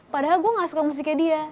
padahal gue gak suka musiknya dia